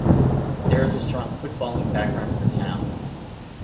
There is a strong footballing background in the town.